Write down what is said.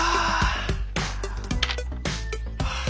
はあ